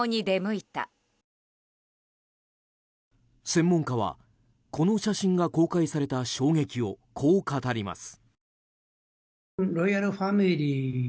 専門家はこの写真が公開された衝撃をこう語ります。